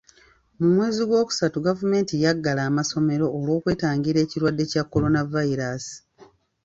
Mu mwezi gw'okustu gavumenti yaggala amasomero olw'okwetangira ekirwadde kya coronavirus.